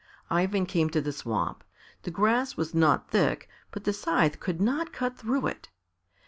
Ivan came to the swamp. The grass was not thick, but the scythe could not cut through it.